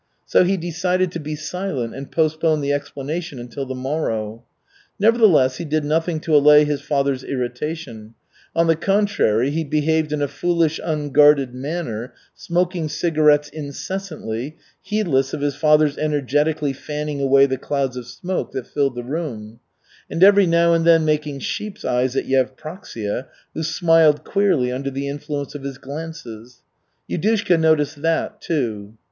So he decided to be silent and postpone the explanation until the morrow. Nevertheless he did nothing to allay his father's irritation; on the contrary, he behaved in a foolish, unguarded manner, smoking cigarettes incessantly, heedless of his father's energetically fanning away the clouds of smoke that filled the room; and every now and then making sheep's eyes at Yevpraksia, who smiled queerly under the influence of his glances. Yudushka noticed that, too.